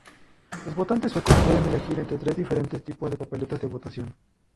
Los votantes suecos pueden elegir entre tres diferentes tipos de papeletas de votación.